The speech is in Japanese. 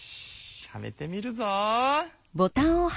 はめてみるぞ。